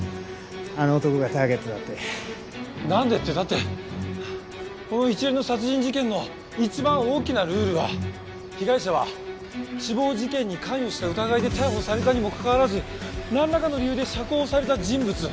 なんでってだってこの一連の殺人事件の一番大きなルールは被害者は死亡事件に関与した疑いで逮捕されたにもかかわらずなんらかの理由で釈放された人物。